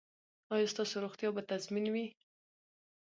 ایا ستاسو روغتیا به تضمین وي؟